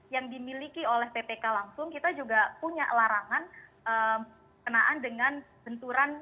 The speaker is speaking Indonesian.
yang dimiliki oleh ppk langsung kita juga punya larangan kenaan dengan benturan